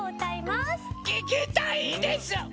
ききたいです！